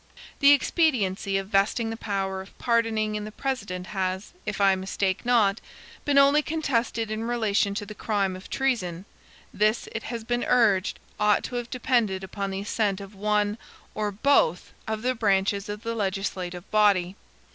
The expediency of vesting the power of pardoning in the President has, if I mistake not, been only contested in relation to the crime of treason. This, it has been urged, ought to have depended upon the assent of one, or both, of the branches of the legislative body.